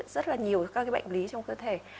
rất là nhiều các cái bệnh lý trong cơ thể